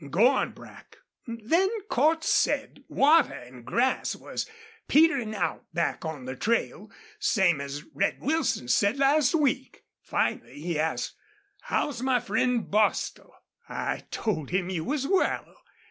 Go on, Brack." "Then Cordts said water an' grass was peterin' out back on the trail, same as Red Wilson said last week. Finally he asked, 'How's my friend Bostil?' I told him you was well.